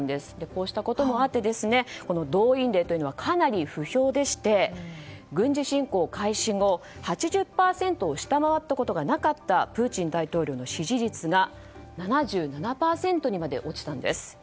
こうしたこともあって動員令というのはかなり不評でして軍事侵攻開始後８０％を下回ったことがなかったプーチン大統領の支持率が７７％にまで落ちたんです。